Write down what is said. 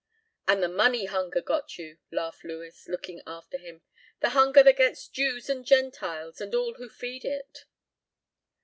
"And the money hunger got you," laughed Lewis, looking after him, "the hunger that gets Jews and Gentiles and all who feed it."